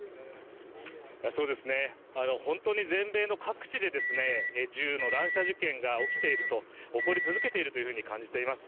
本当に全米の各地で、銃の乱射事件が起きていると、起こり続けているというふうに感じています。